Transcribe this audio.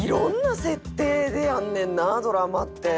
ドラマって。